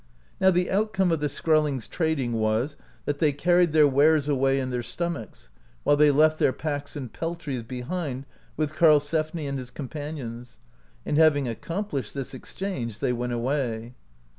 Now the outcome of the Skrellingfs trading was, that they carried their wares away in their stomachs, while they left their packs and peltries behind with Karlsefni and his companions, and having accomplished this [ex change] they went away.